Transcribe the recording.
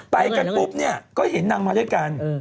ไปกันปุ๊บเนี่ยก็เห็นนางมาด้วยกัน